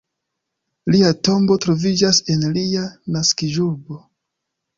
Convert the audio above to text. Lia tombo troviĝas en lia naskiĝurbo.